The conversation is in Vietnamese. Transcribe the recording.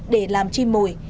để làm chim mùi